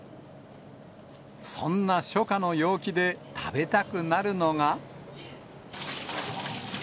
そんな初夏の陽気で、食べたくなるのが。